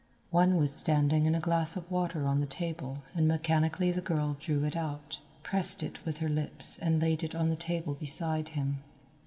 One was standing in a glass of water on the table and mechanically the girl drew it out, pressed it with her lips and laid it on the table beside him.